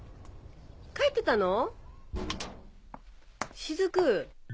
帰ってたの？